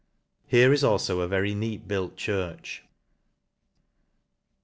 Here is alfo a very neat built church.